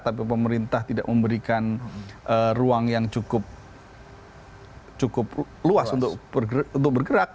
tapi pemerintah tidak memberikan ruang yang cukup luas untuk bergerak